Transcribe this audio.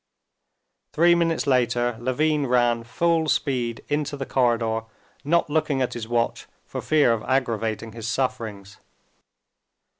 Three minutes later Levin ran full speed into the corridor, not looking at his watch for fear of aggravating his sufferings.